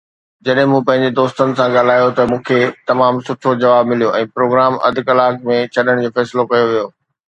جڏهن مون پنهنجي دوستن سان ڳالهايو ته مون کي تمام سٺو جواب مليو ۽ پروگرام اڌ ڪلاڪ ۾ ڇڏڻ جو فيصلو ڪيو ويو.